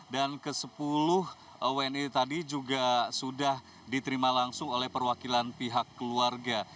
dan ke sepuluh wni tadi juga sudah diterima langsung oleh perwakilan pihak keluarga